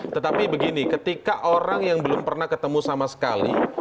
tetapi begini ketika orang yang belum pernah ketemu sama sekali